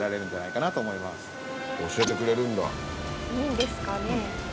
いいんですかね。